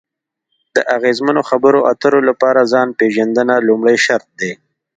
د اغیزمنو خبرو اترو لپاره ځان پېژندنه لومړی شرط دی.